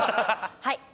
はい。